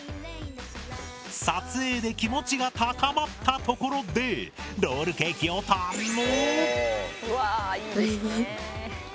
撮影で気持ちが高まったところでロールケーキを堪能！